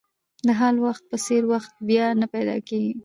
د حال وخت په څېر وخت بیا نه پیدا کېږي.